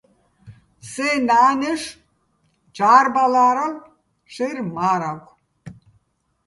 სეჼ ნა́ნეშო̆ ჯა́რბალა́რალო̆ შეჲრ მა́რაგო̆: